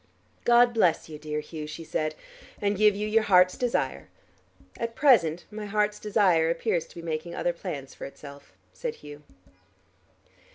"God bless you, dear Hugh," she said, "and give you your heart's desire." "At present my heart's desire appears to be making other plans for itself," said Hugh.